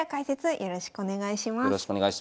よろしくお願いします。